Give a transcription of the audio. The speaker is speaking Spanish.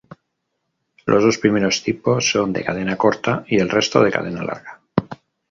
Los dos primeros tipos son de cadena corta y el resto de cadena larga.